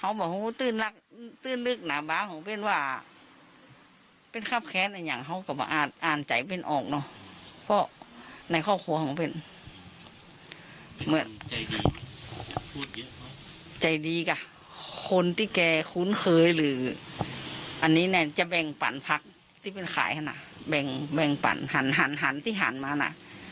อันนี้เนี่ยจะแบ่งปั่นผักที่เป็นขายขนาดแบ่งแบ่งปั่นหันหันหันที่หันมาน่ะ